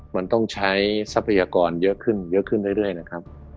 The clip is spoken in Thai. มันต้องใช้ทรัพยากรเยอะขึ้นเรื่อยนะครับ